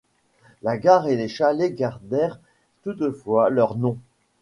La gare et les chalets gardèrent toutefois leurs noms.